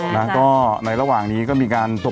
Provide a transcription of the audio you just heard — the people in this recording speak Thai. มากซักครู่